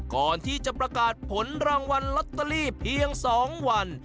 ก่อนที่จะประกาศผลรางวัลลอตเตอรี่เพียง๒วัน